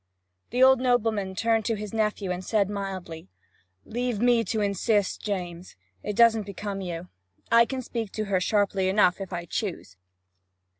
The old nobleman turned to his nephew and said mildly: 'Leave me to insist, James. It doesn't become you. I can speak to her sharply enough, if I choose.'